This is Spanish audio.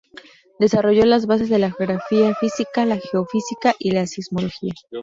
Desarrolló las bases de la geografía física, la geofísica y la sismología.